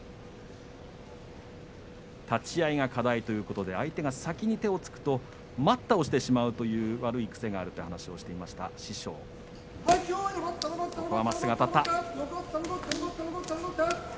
立ち合いが課題ということで相手が先に手をつくと待ったをしてしまうという悪い癖があるという話をしていました師匠です。